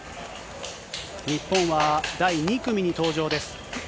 日本は第２組に登場です。